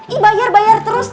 ih bayar bayar terus